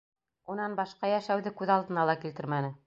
Унан башҡа йәшәүҙе күҙ алдына ла килтермәне.